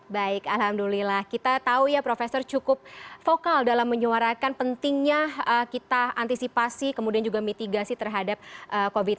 baik alhamdulillah kita tahu ya profesor cukup vokal dalam menyuarakan pentingnya kita antisipasi kemudian juga mitigasi terhadap covid sembilan belas